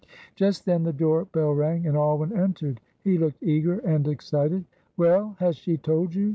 Just then the door bell rang, and Alwyn entered; he looked eager and excited. "Well, has she told you?"